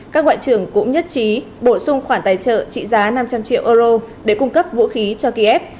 các ngoại trưởng cũng nhất trí bổ sung khoản tài trợ trị giá năm trăm linh triệu euro để cung cấp vũ khí cho kiev